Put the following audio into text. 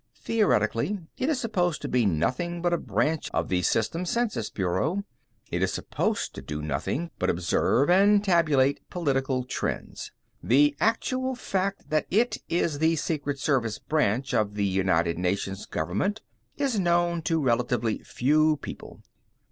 Theoretically, it is supposed to be nothing but a branch of the System Census Bureau; it is supposed to do nothing but observe and tabulate political trends. The actual fact that it is the Secret Service branch of the United Nations Government is known only to relatively few people.